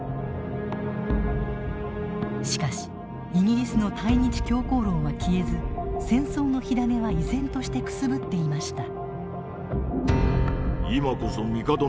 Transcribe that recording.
しかしイギリスの対日強硬論は消えず戦争の火種は依然としてくすぶっていました。